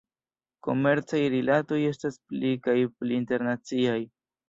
Komercaj rilatoj estas pli kaj pli internaciaj.